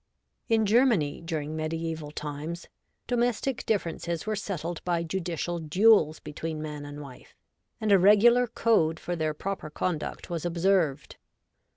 In Germany, during mediaeval times, domestic differences were settled by judicial duels between man and wife, and a regular code for their proper I20 REVOLTED WQMAN. conduct was observed.